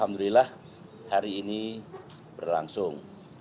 alhamdulillah hari ini berlangsung